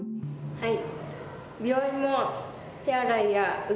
はい。